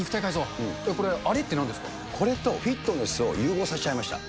これとフィットネスを融合させちゃいました。